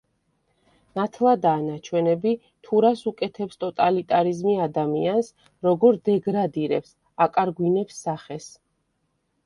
ნათლადაა ნაჩვენები თუ რას უკეთებს ტოტალიტარიზმი ადამიანს, როგორ დეგრადირებს, აკარგვინებს სახეს.